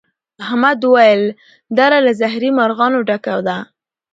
احمد وويل: دره له زهري مرغانو ډکه ده.